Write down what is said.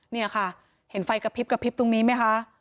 นี่นะคะเห็นไฟกะพริบกะพริบตรงนี้มีนะคะ